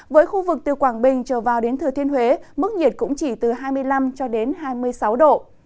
với khu vực từ quảng bình trở vào đến thừa thiên huế mức nhiệt cũng chỉ từ hai mươi năm cho đến hai mươi sáu độ